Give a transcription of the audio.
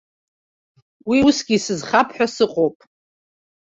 Уи усгьы исызхап ҳәа сыҟоуп.